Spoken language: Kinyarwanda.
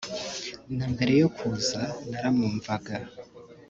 na mbere yo kuza naramwumvaga